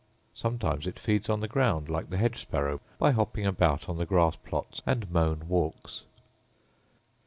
Sometimes it feeds on the ground, like the hedge sparrow, by hopping about on the grass plots and mown walks.